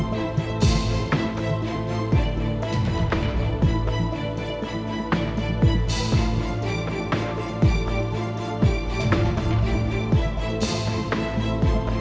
มีตั้งแต่แรกแล้วค่ะ